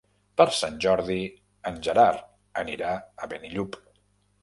Per Sant Jordi en Gerard anirà a Benillup.